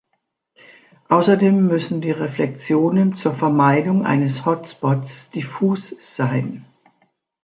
Außerdem müssen die Reflexionen zur Vermeidung eines Hotspots diffus sein.